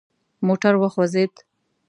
موټر وخوځید.